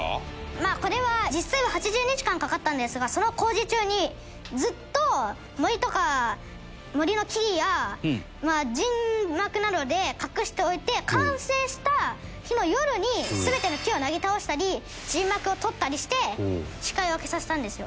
まあこれは実際は８０日間かかったんですがその工事中にずっと森とか森の木々や陣幕などで隠しておいて完成した日の夜に全ての木をなぎ倒したり陣幕を取ったりして視界を消させたんですよ。